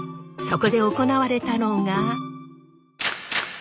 そこで行われたのが。